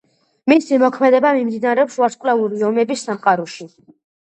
მისი მოქმედება მიმდინარეობს „ვარსკვლავური ომების“ სამყაროში.